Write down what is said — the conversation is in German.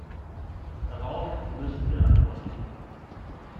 Darauf müssen wir Antworten geben!